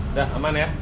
udah aman ya